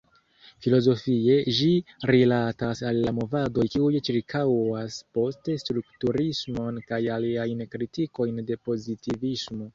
Filozofie, ĝi rilatas al la movadoj kiuj ĉirkaŭas post-strukturismon kaj aliajn kritikojn de pozitivismo.